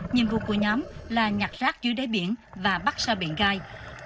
nhiệm vụ của nhóm là nhặt rác dưới đáy biển và bắt xa biển gai